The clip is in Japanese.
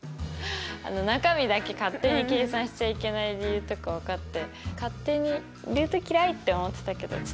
中身だけ勝手に計算しちゃいけない理由とか分かって勝手にルート嫌いって思ってたけどちょっと楽しいなって途中で思った。